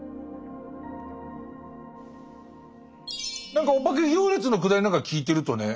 何かお化け行列のくだりなんか聞いてるとね